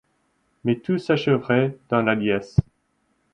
Mais tout s'achèvera dans la liesse.